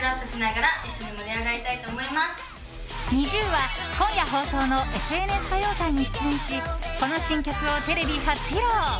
ＮｉｚｉＵは今夜放送の「ＦＮＳ歌謡祭」に出演しこの新曲をテレビ初披露。